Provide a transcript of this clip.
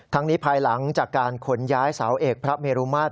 นี้ภายหลังจากการขนย้ายเสาเอกพระเมรุมาตร